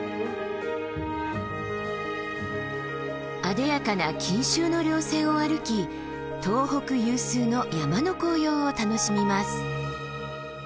あでやかな錦秋の稜線を歩き東北有数の山の紅葉を楽しみます。